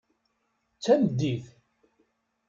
D tameddit.